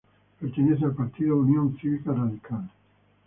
Pertenece al partido Unión Cívica Radical.